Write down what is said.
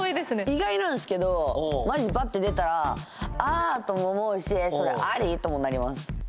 意外なんですけどマジバッて出たら「ああ！」とも思うし「それあり？」ともなります